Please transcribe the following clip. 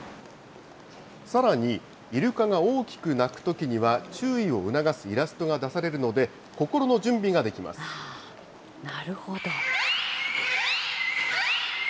さらに、イルカが大きく鳴くときには注意を促すイラストが出されるので、なるほど。